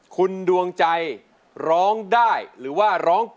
คุณดวงใจร้องได้หรือว่าร้อง